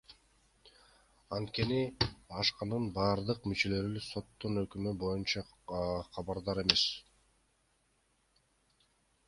Анткени АШКнын бардык мүчөлөрү соттун өкүмү боюнча кабардар эмес.